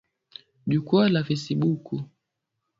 Jukwaa la fesibuku.